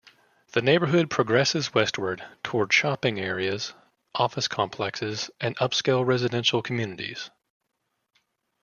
The neighborhood progresses westward toward shopping areas, office complexes, and upscale residential communities.